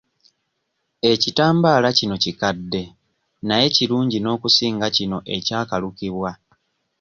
Ekitambaala kino kikadde naye kirungi n'okusinga kino ekyakalukibwa.